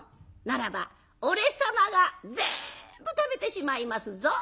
ならば俺様がぜんぶ食べてしまいますぞ」。